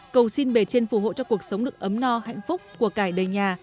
cầu xin bể trên phù hộ cho cuộc sống được ấm no hạnh phúc của cải đầy nhà